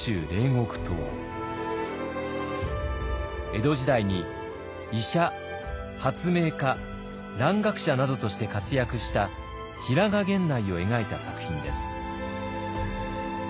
江戸時代に医者発明家蘭学者などとして活躍した平賀源内を描いた作品です。